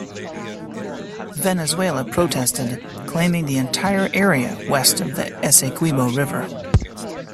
Venezuela protested, claiming the entire area west of the Essequibo River.